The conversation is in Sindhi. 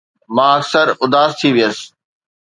مان اڪثر اداس ٿي ويس